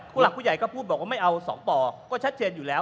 หลักผู้ใหญ่ก็พูดบอกว่าไม่เอา๒ป่อก็ชัดเจนอยู่แล้ว